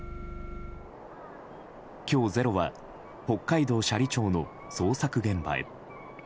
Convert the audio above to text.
今日、「ｚｅｒｏ」は北海道斜里町の捜索現場へ。